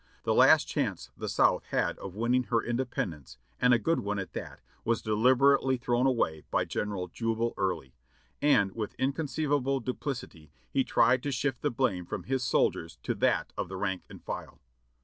The last chance the South had of winning her independence, and a good one at that, was deliberately thrown away by General Jubal Early, and with inconceivable duplicity he tried to shift the blame from his shoulders to that of the rank and file.